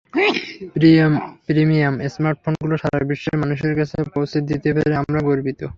Premium স্মার্টফোনগুলো সারা বিশ্বের মানুষের কাছে পৌঁছে দিতে পেরে আমরা গর্বিত।